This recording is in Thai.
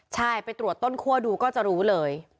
ใช่ไปตรวจต้นคั่วดูก็จะรู้เลย